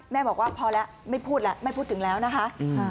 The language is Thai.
บอกว่าพอแล้วไม่พูดแล้วไม่พูดถึงแล้วนะคะ